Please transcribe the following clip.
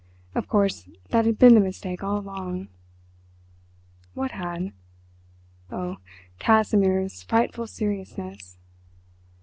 Of course that had been the mistake all along. What had? Oh, Casimir's frightful seriousness.